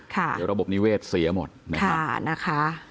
เดี๋ยวระบบนิเวศเสียหมดนะคะ